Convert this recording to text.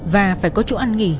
và phải có chỗ ăn nghỉ